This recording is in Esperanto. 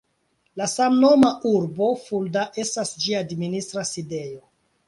La samnoma urbo Fulda estas ĝia administra sidejo.